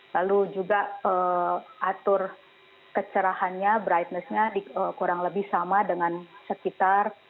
lalu juga atur kecerahannya brightness nya kurang lebih sama dengan sekitar